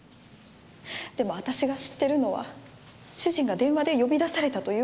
でも私が知ってるのは主人が電話で呼び出されたという事だけなんです。